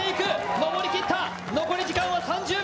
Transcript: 登りきった、残り時間は３０秒。